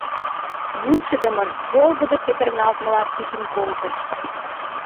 Вучыдымын волгыдо петырналтмыла чучын колтыш.